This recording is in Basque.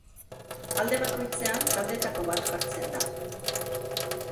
Alde bakoitzean taldeetako bat jartzen da.